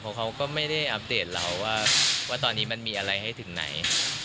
เพราะเขาก็ไม่ได้อัปเดตเราว่าตอนนี้มันมีอะไรให้ถึงไหน